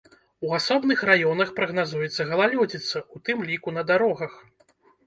У асобных раёнах прагназуецца галалёдзіца, у тым ліку на дарогах.